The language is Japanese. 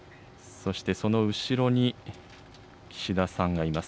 そしてその後ろに岸田さんがいます。